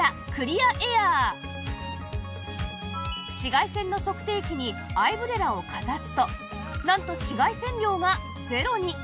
紫外線の測定器にアイブレラをかざすとなんと紫外線量がゼロに